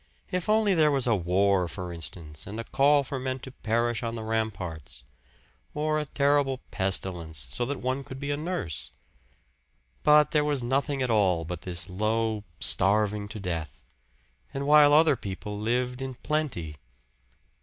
If only there was a war, for instance, and a call for men to perish on the ramparts! Or a terrible pestilence, so that one could be a nurse! But there was nothing at all but this low starving to death and while other people lived in plenty.